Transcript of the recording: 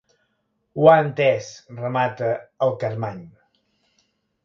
Ho ha entès —remata el Carmany.